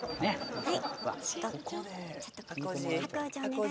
はい。